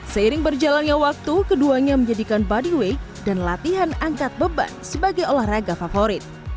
seiring berjalannya waktu keduanya menjadikan bodyweight dan latihan angkat beban sebagai olahraga favorit